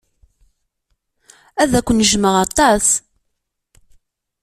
Ad ken-jjmeɣ aṭas.